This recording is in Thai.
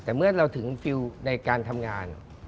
แต่เมื่อเราถึงฟิลในการทำงาน